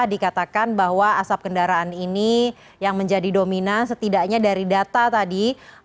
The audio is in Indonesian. dikatakan bahwa asap kendaraan ini yang menjadi dominan setidaknya dari data tadi